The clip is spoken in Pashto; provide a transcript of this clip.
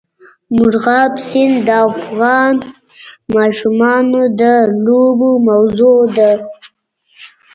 مورغاب سیند د افغان ماشومانو د لوبو موضوع ده.